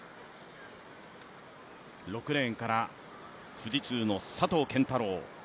６レーンから富士通の佐藤拳太郎。